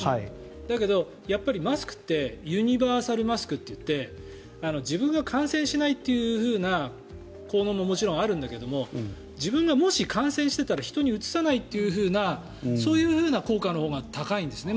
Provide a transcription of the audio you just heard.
だけど、やっぱりマスクってユニバーサルマスクって言って自分が感染しないというふうな効能ももちろんあるんだけど自分がもし感染していたら人にうつさないというそういう効果のほうが高いんですね。